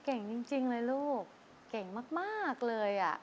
เก่งจริงเลยลูกเก่งมากเลย